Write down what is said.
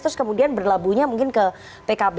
terus kemudian berlabuhnya mungkin ke pkb